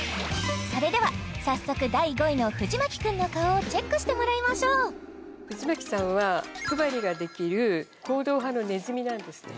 それでは早速第５位の藤牧くんの顔をチェックしてもらいましょう藤牧さんは気配りができる行動派のねずみなんですね